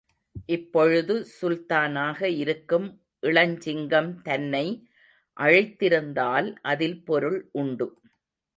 இப்பொழுது சுல்தானாக இருக்கும் இளஞ்சிங்கம் தன்னை, அழைத்திருந்தால் அதில் பொருள் உண்டு.